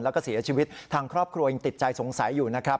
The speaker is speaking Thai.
แล้วก็เสียชีวิตทางครอบครัวยังติดใจสงสัยอยู่นะครับ